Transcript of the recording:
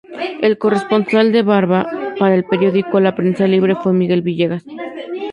El corresponsal de Barva para el periódico La Prensa Libre fue Miguel Villegas.